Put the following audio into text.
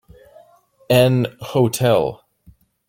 An hotel.